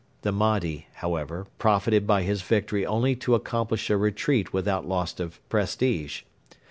The Mahdi, however, profited by his victory only to accomplish a retreat without loss of prestige.